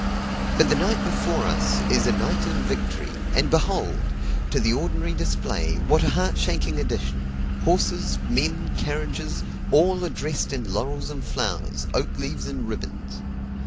But the night before us is a night of victory; and behold! to the ordinary display, what a heart shaking addition! horses, men, carriages all are dressed in laurels and flowers, oak leaves and ribbons.